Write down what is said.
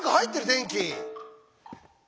電気。